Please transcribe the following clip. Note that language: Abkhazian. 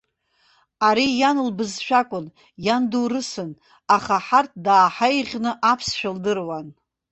Ари иан лбызшәакәын, иан доурысын, аха ҳарҭ дааҳаиӷьны аԥсшәа лдыруан.